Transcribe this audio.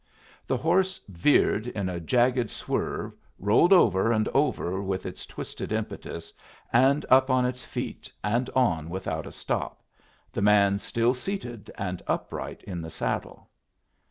The horse veered in a jagged swerve, rolled over and over with its twisted impetus, and up on its feet and on without a stop, the man still seated and upright in the saddle.